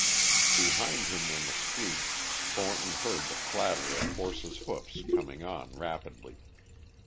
Behind him in the street Thornton heard the clatter of horses' hoofs coming on rapidly.